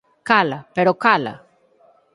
Cala!, pero cala!